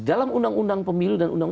dalam undang undang pemilu dan undang undang